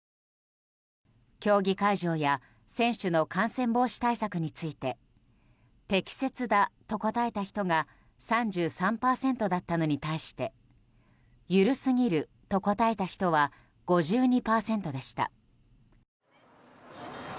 競技会場や選手の感染防止対策について適切だと答えた人が３３％だったのに対して緩すぎると答えた人は５２％でした。